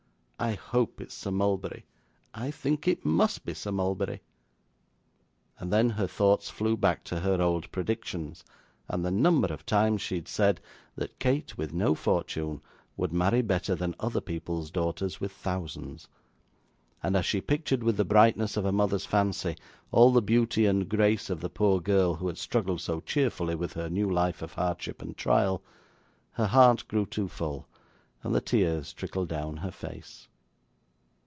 I hope it's Sir Mulberry I think it must be Sir Mulberry!' And then her thoughts flew back to her old predictions, and the number of times she had said, that Kate with no fortune would marry better than other people's daughters with thousands; and, as she pictured with the brightness of a mother's fancy all the beauty and grace of the poor girl who had struggled so cheerfully with her new life of hardship and trial, her heart grew too full, and the tears trickled down her face.